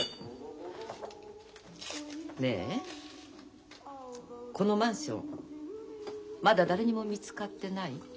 ねえこのマンションまだ誰にも見つかってない？